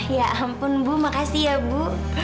ya ampun bu makasih ya bu